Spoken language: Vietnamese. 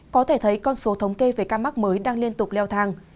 có thể thấy con số thống kê về ca mắc mới đang liên tục leo thang